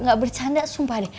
ga bercanda sumpah deh